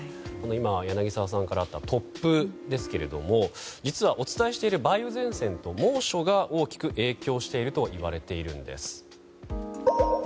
今、柳澤さんからあった突風ですけど実はお伝えしている梅雨前線と猛暑が大きく影響しているといわれているんです。